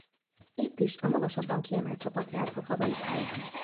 Itt is a magasabban kiemelt csapat játszhat hazai pályán.